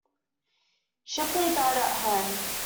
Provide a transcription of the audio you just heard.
Shipley died at home.